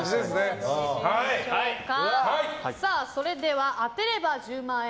それでは、当てれば１０万円！